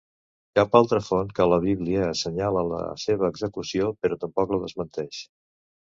Cap altra font que la Bíblia assenyala la seva execució però tampoc la desmenteix.